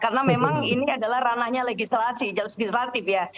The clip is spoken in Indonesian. karena memang ini adalah ranahnya legislatif ya